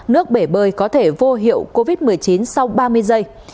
nước bể bơi có thể vô hiệu covid một mươi chín sau ba mươi giây